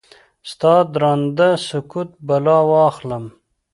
ستا ددرانده سکوت بلا واخلم؟